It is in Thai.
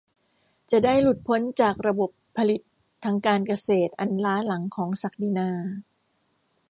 จะได้หลุดพ้นจากระบบผลิตทางการเกษตรอันล้าหลังของศักดินา